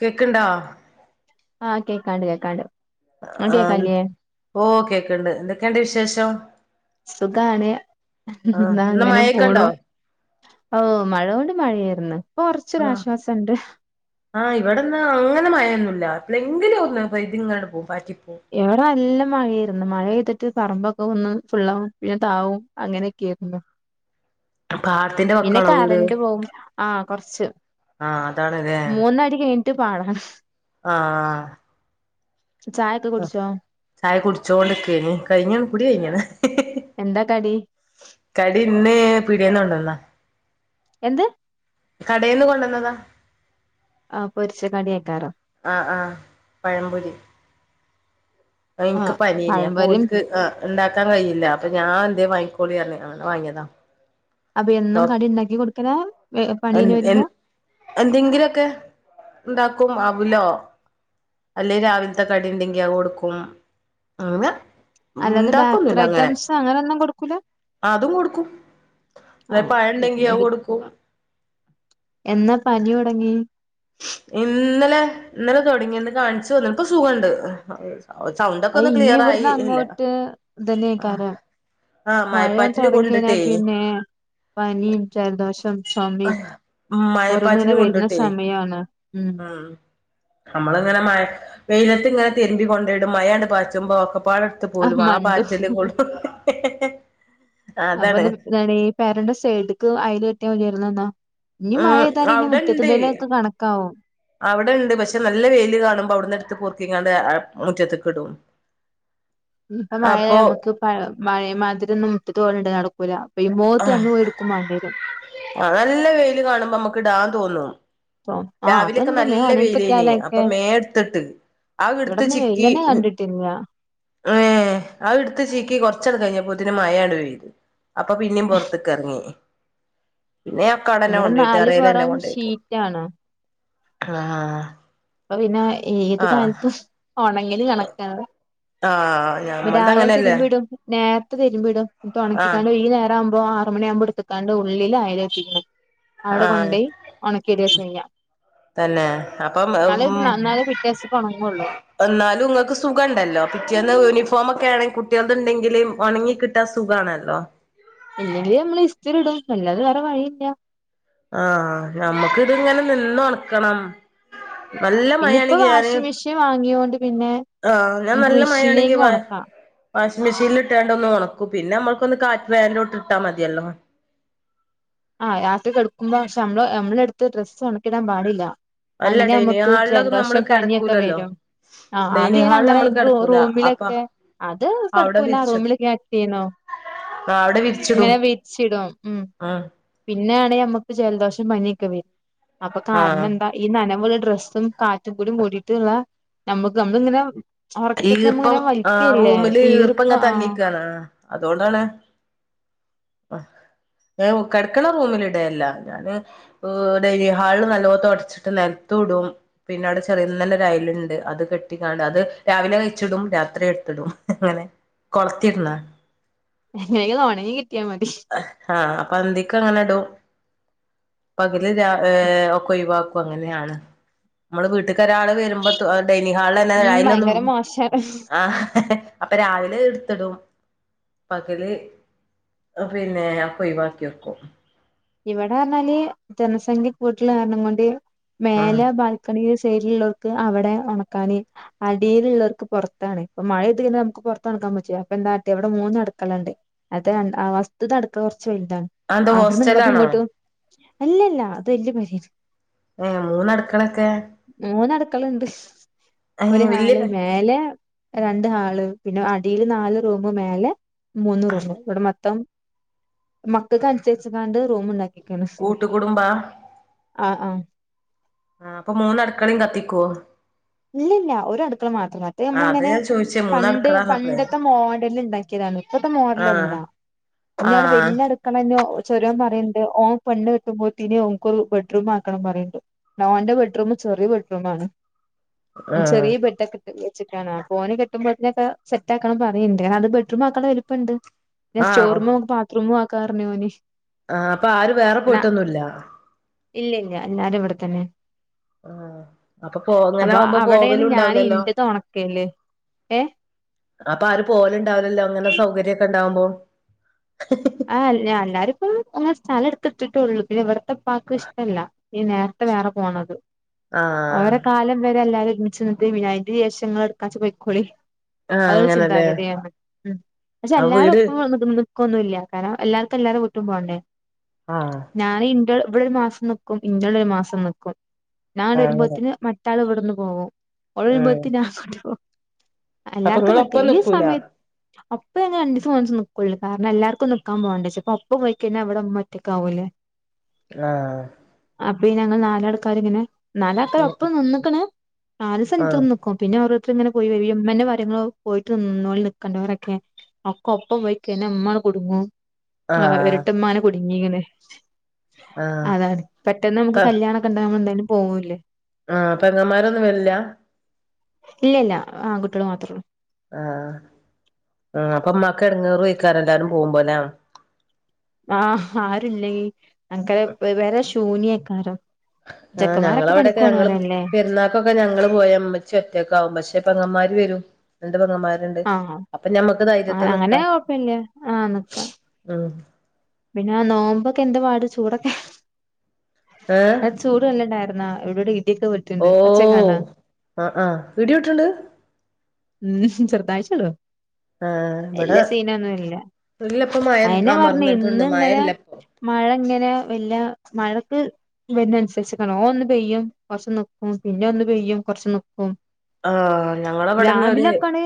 കേക്ക്ണ്ടാ ആഹ് കേക്കാണ്ട് കേക്കാണ്ട് ആഹ് ഓ ക്കെ ക്ക്ണ്ട് എന്തൊക്കെണ്ട് വിശേഷം സുഖാണ് ആഹ് എന്താ ഇന്ന് അങ്ങനെ പോണു മഴൊക്കെണ്ടോ അവ്വ് മാഴോണ്ട് മഴേർന്ന് കൊറച്ചൊരു ആഹ് ആശ്വാസുണ്ട് ആഹ് ഇവിടെന്ന് അങ്ങനെ മാഴൊന്നുല്ല എപ്പളെങ്കിലൊന്ന് പെയ്ത്ങ്ങനെപോകും പാറ്റി ഇവിടെ നല്ല മഴേർ മഴെയ്തിട്ട് പറമ്പൊക്കെ ഒന്ന് ഫുള്ളാവും പിന്നെ താവും അങ്ങനെയൊക്കെര്ന്നു പാടത്തിന്റെ വക്കാണോ വീട് പോവും ആഹ് കൊറച്ച് ആഹ് അതാണ്ലേ ട്ട് പാടണം ആഹ് ചായൊക്കെ ആ കുടിച്ചോ ചായ കുടിചോണ്ടികേയ്ന്നു കഴിഞ്ഞു കുടി കഴിഞ്ഞണ് എന്താ കടി കടി ഇന്ന് പീടിന്നൊണ്ടന്നതാ എന്ത് കടയിന്ന് കൊണ്ടന്നതാ ആ പൊരിച്ച കടിയാക്കാരം ആ ആഹ് പഴംപൊരി എനിക്ക് ആഹ് പനീനെ പഴംപൊരിയും അപ്പോൽക്ക് ആ ണ്ടാക്കാൻ കഴിയില്ല അപ്പൊ ഞാൻ എ വാങ്ങികോളി അറ്ഞ്ഞ് അങ്ങനെ വാങ്ങിയതാ അപ്പൊ എന്നും ഡോക് കടി ഉണ്ടാക്കി കൊടുക്കലാ പണി എൻ അയ്ഞ്ഞ് എൻ വരുമ്പോ ക്കും അവുലോ അല്ലെ രാവിൽത്തെ കടി ണ്ടെങ്കി അത് കൊടുക്കും ങ്ങനെ അല്ലാതെ ബേക്കറി ഉണ്ടാക്കൊന്നുല്ല അങ്ങനെ ഐറ്റംസ് അങ്ങനൊന്നും ആതും കൊടുക്കും ആ അല്ലെ പഴം ഉണ്ടെങ്കി അത് [unintelligible] കൊടുക്കും എന്നാ പനിയോ ങ്ങി ഇന്നലെ ഇന്നലെ തുടങ്ങിന്ന് കാണിച്ചു വന്ന് പ്പൊസുഖണ്ട് അത് ഞ്ഞി ഇവിടുന്ന് അങ്ങോട്ട് ഇതന്യേക്കാരം ആഹ് മഴ മഴപ്പാറ്റില് തുടങ്ങി കഴിഞ്ഞാൽ കൊണ്ടിട്ടേ പിന്നെ പനീം ജലദോഷം ചുമയും ഓരോന്നും മഴപ്പാറ്റിൽ ഇങ്ങനെ വരുന്ന കൊണ്ട്ട്ടേ സമയമാണ് ഉം നമ്മള് ഇങ്ങനെ മഴ വെയിലത്ത് ഇങ്ങനെ തിരുമ്പി കൊണ്ടോയിടും മയണ്ട് പാച്ചുമ്പോ ഒക ആഹ് മണ്ടു അതാണ് അപ്പൊന്ന ന്താണീ പെരന്റെ സൈഡ്ക്ക് അയല് കെട്ടിയ മതിയാര്ന്ന് ന്നാ ആഹ് അവിടെണ്ട് കണക്കാവും അവിടെണ്ട് പക്ഷെ നല്ല വെയിൽ കാണുമ്പോ അവിടുന്ന് ഇട്ത്ത് പോർക്ക ങാണ്ട് മുറ്റത്ത് കിടും ഇപ്പ മഴയ നമുക്ക് മഴമാതിരിം ഒന്നും മുട്ടിട്ട് പോലുണ്ട് നടക്കൂല അപ്പൊ ഈ ആ മോത്ത് നമ്മള് പോയി എടുക്കും വേണ്ടി വരും ആ നല്ല വെയില് കാണുമ്പോമ്മക്ക് ടാ തോന്നുന്നു ആ രാവിലെൊക്കെ അതുണ്ട് മേൽ നല്ല ഉണങ്ങി വലേന അപ്പൊ കിട്ടിയാലൊക്കെ മേ എടുത്തിട്ട് ആ എടുത്ത് ഇവിടന്ന് വെയില് ചിക്കി തന്നെ കണ്ടിട്ടില്ല ഏർ ആ എടുത്ത് ചിക്കി കുറച്ചട കഴിഞ്ഞാ പോ മായാണ് പോയത് അപ്പൊ പിന്നെയും പുൊറത്തക്ക ഇറങ്ങി പിന്നെ അക്കാടല്ലാം ഇവിടെ കൊണ്ട പോോയിട്ട് നാല് അറലല്ലാം പൊറം കൊണ്ട പോോയിട്ട് ഷീറ്റാണ് ആഹ അപ്പൊ പിന്നെ ഏത് കാലത്തും ഓണ എ കണക്ക- ആഹ ഞമ്മട്ട അങ്ങനെയല്ലേ നേരത്തെ തരുമ്പോ ഇടോ ആഹ് തുണക്കിക്കാണ്ടോ ഈ നേം ഇപ്പ ആറ മണിയാവുമ്പോ എടുക്കാണ്ട് ഉള്ളില ആയാലോുന്നത് അവിടെ കൊണ്ട ആഹ് പോയി ഉണക്കിട അ തന്നെ അപ്പം ഉ എന്നാലേ പിറ്റേസക്ക് ഒണങ്ങുള്ളൂ എന്നാലുംങ്ങക്ക് സുഖം ഉണ്ടല്ലോ പിറ്റേന്ന് ഫോമക്കെ ആണെങ്കിൽ കുട്ടികളത് ഉണ്ടെങ്കിലും വണങ്ങി കിട്ടാ സുഖമാണല്ലോ ഇല്ലെങ്കിലും നമ്മള് ഇസ്തിരി ഇടും പില്ലെ വേറെ വഴിയില്ല ആഹ ഞമ്മുക്കിത്ങ്ങനെ നിന്ന അടുക്കണം പിന്നെ ഇപ്പ വാഷിംഗ മെഷീൻ വാങ്ങിൊണ്ട് ആഹ് ഞാൻ നല്ല മഴയാണെങ്കി വ ഒണക്കാം വാഷിംഗ മെഷീനിൽ ഇട്ടാണ്ട് ഒന്ന് ഉണക്കും പിന്നെ നമ്മൾക്കൊന്ന് കാറ്റ് വേൻിലോട്ട് ഇട്ടാ മതിയല്ലോ ആഹ് കെടുക്കുമ്പോ പക്ഷെ നമ്മള് നമ്മള അടുത്ത് ഡ്രസ്സ് ഉണക്കിടാൻ പാടില്ല അല്ല അങ്ങനെ ഡൈനിങ് നമുക്ക് ഹാളിലൊക്കെ നമ്മള് ജലദോഷം പനിയൊക്കെ കിടക്കൂലല്ലോ വരും ആ അത് ഡൈനിങ് ചെയ്യണ ഹാളിൽ അങ്ങനെ നമ്മള് കിടക്കൂല അപ്പൊ റൂമിലൊക്കെ അത് അവിടെ തടുപ്പൂല്ല ആ വിരിച്ചിടും റൂമിൽ കക്റ്റ് ചെയ്യണോ ആ അവിടെ വിരിച്ചിടും ഇങ്ങനെ വടിച്ചിടും ഉ ആ പിന്നെയാണെങ്കിൽമമ്മക്ക് ജലദോഷം പനിയൊക്കെ വരും അപ്പൊ ആ കാരണം എന്താ ഈ നനവള ഡ്രെസ്സും കാറ്റും കൂട ഓടിയിട്ടുള്ള നമ്മുക്ക് നമ്മളിങ്ങനെ ഒറക്കത്തി നമ്മ ഈർപ്പം ഇങ്ങനെ ആ വലിക്കല്ലേ റൂമില് ഈർപ്പം ഈർപ്പംങ്ങെ ആഹ് തങ്ങിക്കുവാനാ അതുകൊണ്ടാണ് കിടക്കണ റൂമില ഇടയല്ല ഞാന് ഡൈനി ഹാള് നല്ലോത്ത അടച്ചിട്ട് നിലത്ത ഇടും പിന്നെ അവിടെ ചെറിയ നല്ല രയലുണ്ട് അത് കെട്ടിക്കാണ്ട് അത് രാവിലെ കഴച്ചിടും രാത്രി എടുത്തിടും അങ്ങനെ കൊളത്തിരുന്നാ എങ്ങനെങ്കിലും ഒണങ്ങി കിട്ടിയാ മതി ആഹ അപ്പൊ എന്തക്കെ അങ്ങനെ ഇടും [unintelligible] നമുക്ക് ഒഴിവാ പ്പൊങ്ങനെയാണ് മ്മടെ വീട്ട് ട്ടൊരാള് വരുമ്പോ തു ഡൈനിങ് ഹാളിലെന്നെ അയിലൊന്നും മാഷറ അപ്പൊ രാവിലെ ട്ത്തിടും പകല് പിന്നെ ഒയ് വാക്കി വെക്കും ഇവിടെർഞ്ഞാല് ജനസംഖ്യ കൂട്ടിൽ കാരണം കൊണ്ട് ആഹ് മേലെ ബാൽക്കണീസ് സൈഡിലുള്ളോർക്ക് അവിടെ ഒണക്കാന് അടീലുള്ളോർക്ക് പൊറത്താണ് ഇപ്പ മഴയത്ത് പിന്നെ നമുക്ക് പുറത്തൊണക്കാൻ പറ്റോ അപ്പൊന്താട്ട ഇവിടെ മൂന്ന് അടുക്കളണ്ട് അത് അൻ ഫസ്റ്റ്ത്തെ അടുക്ക കൊറ ച്ച് വൽതാണ് അതെന്താ അവ്ട്ന്ന്ങ്ങ് ട്ട്ങ്ങ് ഹോസ്റ്റലാണോ ട്ടു അല്ലല്ല അത് വല്യ പെരേണ് ഏ മൂന്നടുക്കളൊക്കെ ക്കളണ്ട്സ് ഒരു ഏഹ് വല്യ ഹാള് മേലെ രണ്ട് ഹാള് പിന്നെ അടിയില് നാല് റൂമു മേലെ മൂന്നൂറൂം ഇവിടെ മൊത്തം മക്കക്കൻസരിച്ച്ങ്ങാണ്ട് റൂമുണ്ടാക്കി കൂട്ടു കുടുംബാ ആ ആ ആ അപ്പൊ മൂന്നടുക്കളേം കത്തിക്കോ ഇല്ലല്ല ഒരടുക്കള മാത്രം മറ്റേ ആഹ് അതാ നമ്മളിങ്ങനെ ഞാൻ ചോദിച്ചേ പണ്ട് മൂന്നടുക്കളാന്നപ്പളേ പണ്ടത്തെ മോഡല്ണ്ടാക്കിയതാണ് ഇപ്പത്തെ മോഡലല്ല ആഹ് ഞ്ഞാണ് ആഹ് വല്യ അടുക്കളന്ന് ചൊരോം പറ റേണ്ട് ഓ പെണ്ണ് കെട്ടുമ്പോത്തിന് ഓൻക്കൊരു ബെഡ്റൂം ആക്കണം പറേണ്ട് ന്നോന്റെ ബെഡ്റൂം ചെറിയ ബെഡ്റൂമാണ് അന് ആഹ് ചെറിയ ബെഡക്കിട്ടില്ലേ ച്ചിട്ടാണ് അപ്പോന് കെട്ടുമ്പോൾത്തി നൊക്കെ സെറ്റാക്കണം പറയണ്ട് കാരണം ബെഡ്റൂം ആക്കളെ വലിപ്പണ്ട് ന്നെ സ്റ്റോറൂമു ബാത്റൂമാക്ക കാർനോനിഷ് ആ അപ്പൊ ആരു വേറെ പോയിട്ടൊന്നുല്ല ഇല്ലില്ല എല്ലാരും ഇവിടെത്തന്നെ ആ അ അപ്പൊ അവിടേണ് ഞാന് ഇന്റെതൊണക്കല് ഏ അപ്പൊ ആര് പോലു ണ്ടാവുലല്ലോ ങ്ങനെ സൗകര്യക്ക ട്ടാവുമ്പോ ആ അല്ല് ഞാ ന്ന ഇപ്പം ഞാ സ്ഥലം എടുത്തിട്ടിട്ടേ ഉള്ളൂ പിന്നെ ഇവിടെ പപ്പാക്കു ഇഷ്ടല്ല ഈ നേരത്തെ വേറെ പോണത് ആഹ് ഓരെ കാലം വരെ അല്ലാരും ഒരുമിച്ച് നിക്ക് അയിനുശേഷം എടുക്കാച്ചാ പയിക്കോളിൻ ആഹ് അത് ഒരു അങ്ങനല്ലേ ചിന്താഗതിയാണ് ഉം പക്ഷെ ആ എല്ലാരും വീട് ഒപ്പമാണോ നിക്കുന്നത്? ക്കൊന്നുമില്ല കാരണം എല്ലർക്കും എല്ലാരും വീട്ടും പോകണ്ടേ? ആഹ് ഞാൻ ഇൻങ്ങളെ ഇവിടൊരു മാസം നിക്കും ഇൻറവിടെ ഒരു മാസം നിക്കും ഞാൻ അങ്ങനെ വരുമ്പോത്തിന് മറ്റാള് ഇവിടുന്നു പോകും ഓൾ ഉം ബത്തിന് ആങ്ങാട്ടുപോം അപ്പൊ എല്ലാർക്കും നിക്ക നിങ്ങളൊപ്പം ഈ നിക്കൂല സമയത് അപ്പ എങ്ങനാ [unintelligible] പുള്ളിക്കാരന് എല്ലാർക്കും നി പോകേണ്ടേ അപ്പൊ അപ്പ പോയി കഴിഞ്ഞാ അവിടെ നമ്മൊറ്റെക്കാവൂലേ ആ അപ്പൊ ഈ ഞങ്ങൾ നാലാൾക്കാരിങ്ങനെ നല്ലാൾക്ക ഉം ഒപ്പം നിന്നക്കണ് നാല് ദിവസെ ആഹ് നിക്കക്കും പിന്നെ അവർ ഇ ഇങ്ങനെ പോയി വരു അമ്മേന്റെ കാര്യങ്ങൾ പോയിട്ട് നിന്നളിൻ നിക്കണ്ടവരൊക്കെ അക്ക ഒപ്പം പോയി കിന് നമ്മ കുടുങ്ങു ആ ആഹ് ഇരട്ടമാനകു ഇങ്ങീങ്ങനെ ആഹ് അതാണ് പെട്ടെന്ന് നമുക്ക് കല്യാണമൊക്കെ ഉണ്ടാവുമെന്തായാലും പോവലേ ആ പെങ്ങമാരൊന്നും വരില്ല ഇല്ല ഇല്ല ആൺ കുട്ടികള് മാത്രൊള്ളു ആ ആ അപ്പൊ അമ്മാക്ക് എടങ്ങേറ് [unintelligible] എല്ലാരും പോകുമ്പോല ആഹ ആരുല്ലെങ്കി അപ്പൊ പെര ശൂനൃയ് ക്കാരം [unintelligible] ആ ഞങ്ങളവ്ടൊക്കെ ഞങ്ങള് പെരുന്നാക്കൊക്കെ ഞങ്ങള് പോയ മ്മച്ചി ഒറ്റക്കാകും മ്മച്ചിപ്പൊ പെങ്ങമ്മാര് വരും പങ്ങന്മാരുണ്ട് ആഹ് അപ്പൊ ഞമ്മക്ക് അങ്ങനെ ധൈര്യത്ത്നിക്കാ കൊഴപ്പല്ല ആഹ് നിക്കാം ഉം പിന്നെ നോമ്പൊക്കെന്ത പാട് ചൂടൊക്കെ ഏ അത് ചൂട് നല്ലണ്ടായിരുന്നു അ എവിടെ ഓ അ ആ ഇടി പൊട്ട്ണ്ട് ഉം ചെർതായിച്ചള്ളൂ ആ ഇവിടെ വല്ലൃ സീനൊന്നുംല്ല ഇല്ലപ്പ മഴ ഐനെ പറഞ്ഞ് അമർന്നിട്ടുണ്ട് മഴ ഇന്ന്ങ്ങനെ ഇല്ലപ്പോ മഴ ഇങ്ങനെ വല്ലൃ മഴക്ക് വരുന്നനുസരിച്ച് കാണൊന്ന് പെയ്യും കൊറ്ച്ച്നിക്കും പിന്നൊന്ന് പെയ്യും കൊറ്ച്ച് നിക്കും ആ ഞങ്ങളവിടെന്ന് ഒരു രാവിലൊക്കെണ്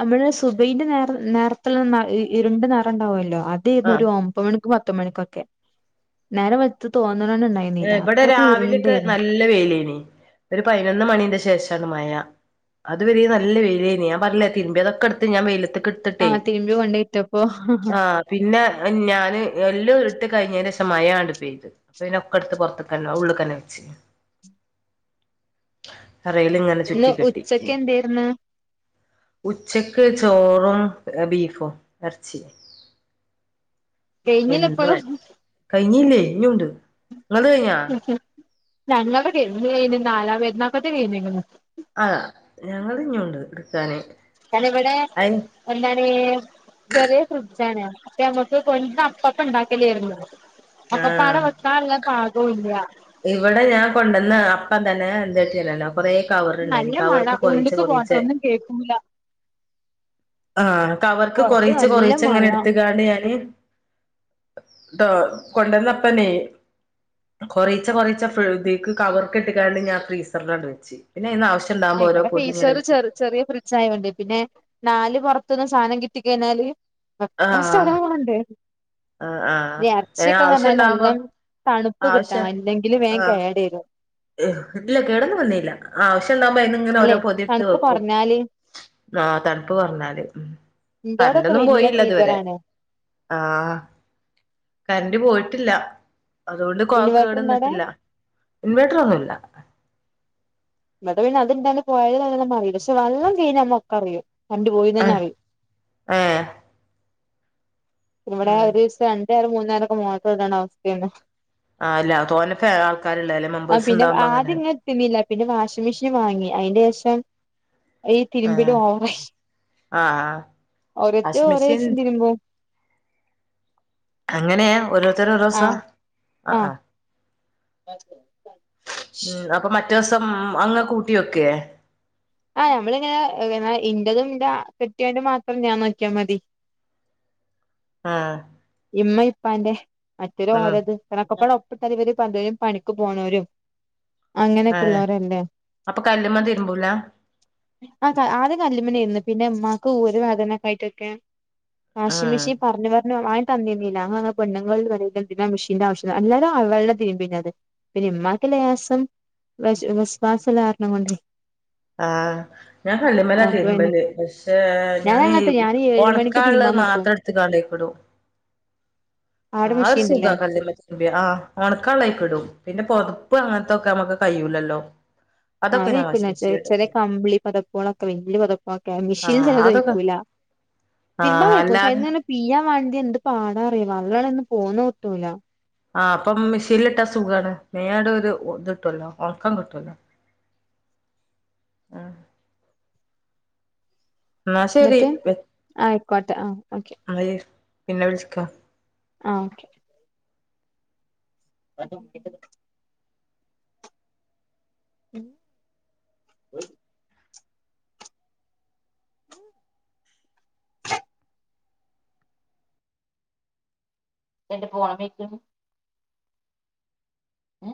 നമ്മള് സുബ് ഹിന്റെ നേരം നേരത്ത്നിന്നാഇ ഇരുണ്ട നറണ്ടാവല്ലോ ആ അതരുന് ഒരമ്പത് മണി പത്ത് മണിക്കൊക്കെ നേരവെൾത് തോന ഏ വിടെ രാവിലൊക്കെ നല്ല വെയില് ഒരു പൈനൊന്ന് മണീന്റെ ശേഷാണ് മയ അത് വരേ നല്ല വൈലൈഞി ഞാ പറഞ്ഞിലേ തിരുമ്പേതൊക്കെടുത്ത് ഞാൻ വൈലത്ത്ട് തിട്ടൈ ആഹ് തിരുമ്പി കൊണ്ടോയിട്ടപ്പോ ആ പിന്നെ ഞന് എല്ലൊട് ഇട്ട് കഴിഞേൻ്റേഷം മയാണ്ട് പൈത് അപ്പന്നെ ക്കടുത്ത് പൊറ്ത്തക്കന്നെ ഉള്ള്ക്കന്നെ അരേല്ങ്ങനെ ഇന്ന് ചുറ്റിക്കെട്ടി ഉച്ചക്ക് മ് എന്തേര്ന്ന് ഉച്ചക്ക് ചോർ ആ ബീഫൊ എർച്ചി എന്നുഹന്നെ കഴിഞ്ഞില്ലേ ഇനിയുണ്ട് നിങ്ങല് കഴിഞ്ഞോ ഞങ്ങൾടെക്കെ എന്ന് കയിഞ് നാലാപെരുനാകേറ്റെകൈഞ്ക്ണ് ആ ഞങ്ങൾത്ഞ്ഞൂണ്ട്ട്ക്കാന് ഞാനിവിടെ എന്താണ് ചറിയേ ഫ്രിഡ്ജാണ് അപ്പ നങ്ങക് കൊട്ന്അപ്പക്ക ണ്ടാക്കലൈനു ഒക്കെപാടെ വെക്കാള്ള പാത് ഉപ്പുയില്ല ഇവടെ ഞാൻ കൊണ്ടൊന്ന അപ്പം തന്നെ എന്താട്ടിറിലൊ കൊറേ കവറ്ണ്ടായ്നി നല്ല മഴ കവർക്ക് കൊറേച്ചെ ഉള്ളിക്ക് പോട്ടെ കൊറേച്ചെ ഒന്നും കേൾക്കൂല ആഹ കവർക്ക് പുറത്ത് കൊറച്ച നല്ല കൊറച്ച മഴ എങ്ങനെ എടുത്തുകാണ് ഞാാന് ട്ടോ കൊണ്ടന്നപ്പനീ കൊറച്ച കൊറച്ച ഇതക്ക് കവർ കെ ഇട്ട കാണ്ട് ഞാൻ ഫ്രീസറിലണ്ട് വെച്ചു പിന്നെ അ ആവശ്യ- ആ ഇവിടെ ഫെ ഈ ചെറ ചെറ ചെറിയ ഫ്രിഡ്ജ ആയത്ൊണ്ട് പിന്നെ നാല് പുറത്തനിന്ന് സാധനം കിട്ടിക്കഴിഞ്ഞാല് കഷ്ട അതാ ആഹ് വണ്ടേ ആഹ് ആഹ് ഏ ഇറച്ചി നമ്മ ആവശ്യം ഉണ്ടാവുമ്പോ നല്ലാം തണുപ്പ് കിട്ടാം ആവശ്യം അല്ലെങ്കിലും േൻ ആഹ് കേടരുോ ഇല്ല കേടെന്നു വന്നീല്ല ആവിശ്യ ണ്ടാവുപ്പോ അയ്ന്ന് ങ്ങനെ അല്ലെ ഒരേപൊതി ട്ത്ത് തണുപ്പ് വെക്കും കുറഞ്ഞാല് ആ തണുപ്പ് കുറഞ്ഞാല് ആ കറന്റെ ഇന്റോടൊക്കെ ന്നും വലിയ പോയീല്ല ഇതുവരെ ഫീസറാണ് ആ കറന്റ് പോയി ട്ടില്ല അതുകൊണ്ട് കോവാ ഇൻവേർട്ടർ ഉണ്ട് അവിടെ കേടന്നിട്ടില്ല ഇൻ വേട്ട റൊന്നുല്ല ന്നട്ട് പിന്നെ അത്‌ ണ്ടാന്ന് പോയത് ങ്ങനെ അറീലപക്ഷെ വെള്ളം പിഞ്ഞേനമ്മ ക്ക അറിയും കണ്ടു പോയിന്നെന്നെ ഏഹ് പറി ഏഹ് ഇവിടെ ഉം ഒരു ദിവസം അ ഞ്ച് നേരംമൂന്ന് നേരൊക്കെ മോട്ടർടേണ്ട അവസ്ഥയേന്നു ആഹ് അല്ല തോനെ ഫേ ആൾക്കാരുള്ളല്ലേ ആ മെമ്പേഴ്സ് പിന്നെ ഉണ്ടാവുമ്പോ ആദ്യ അങ്ങനെയാണ് ഇങ്ങനെ തിന്നില്ല പിന്നെ വാഷിംഗ്‌മെഷീൻ വാങ്ങി അയിന്റെ ശേഷം ഈ ആഹ് തിരുമ്പിലും ആഹ് ഓവറായ്ഓരേത്തര് വാഷിംഗ് ഓരോ മെഷീൻ സം തിരുമ്പും അങ്ങനെഒരോ ര്ത്തര് ഓരോ സാ അക്ക പിറ്റേസം അ അങ്ങ്കൂട്ടി വെക്കെ ആ നഞമ്മളിങ്ങനെ പിന്നെ ഇന്റെതും ഇന്റെ കെട്ടിയോന്റെ മാത്രം ഞാൻ നോക്കിയാ മതി ആ ഇമ്മ ഇപ്പാന്റെ ഉം മറ്റെര്ഓരത് പ്പനക്കെപ്പാടോ പെട്ട ന്ന് വര് പകരും പണിക്ക് പോണോരും അങ്ങനെയൊക്കെ ഏഹ് ഉള്ളോരല്ലേ അപ്പൊ കല്ലുമ്മ തിരുമ്പൂല ആ ആദ്യ കല്ല്മലേന്ന് പിന്നെ ഇമ്മാ ഇൻക്ക് ഉരവേദനക്കെ ആയിട്ടൊക്കെ വാഷിംഗ് ഉം മെഷീൻ പറഞ്ഞഞ് പറഞ്ഞ് ഹലോ ആ തന്നിന്നില്ല ങ്ങള് ങ്ങള്പെണ്ണുങ്ങൾ വറുതെന്തിനാ മെഷീൻന്റെ ആവശ്യം അല്ലാലും അവളുടെ തിര്ബീനത് പിന്നെ ഇമ്മാക്ക് ലേസം വെശ് വസ് വാസ് ള്ളാ രണം കൊണ്ട് ആ ഞാൻ കല്ല്മ്മലാ പിന്നെ തിരുമ്പല് പക്ഷേ ഞാൻ അങ്ങനത്തെ ഞാൻ ഏഴ് മണിക്ക് ഓണക്കാള്ള തിരുമ്പാൻ നിക്കും മാത്രം ട്ത്ത് കാണ്ട് അയ്ക്ക് ടും ആടെ ആ ഒരു മെഷീൻ ഉണ്ടല്ലേ സുഖാ കല്ല് മ്മല് തിര്മ്പാആ ഒണക്കാള്ളആയ്ക്ക്ടും പിന്നെ പൊതപ്പ് അങ്ങൻത്തൊക്കെ നമ്മക്ക് കഴൂലല്ലോ ആ വെയ്ക്കൂല ചെറിയ ചെറിയ കമ്പിളി പതപ്പുളൊക്കെ വെല്ല്യ പൊതപ്പൊക്കെ മെഷീൻ ആഹ് ചെലത് അതൊക്കെ വൈക്കൂല്ല തിരുമ്പാ ആഹ് വൈക്കും ക്ഷേ അല്ലാതെ അയ്ന്നനെ പിയാം വേ ത് എന്ത് പാടാറിയോ വള്ള ളയ്ന്ന് പോന്ന് ട്ടൂല ആ അപ്പം മെഷീൻലിട്ടാ സുഖാണ് മേണ്ട് ഒരു ഇത്‌ ട്ടല്ലോ ഒണക്കം കിട്ടുല്ലോ ആ ന്നട്ട് വെ ആയിക്കോട്ടെ ആ ഓക്കെ ന്നാല് പിന്നെ വിളിച്ച്ക്ക ആ ഓക്കെ [unintelligible] മ് [unintelligible] എന്റെ [unintelligible] ഏ